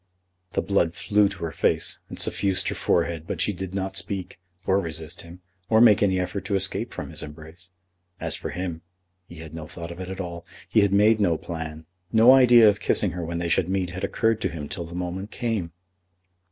The blood flew to her face and suffused her forehead, but she did not speak, or resist him or make any effort to escape from his embrace. As for him, he had no thought of it at all. He had made no plan. No idea of kissing her when they should meet had occurred to him till the moment came.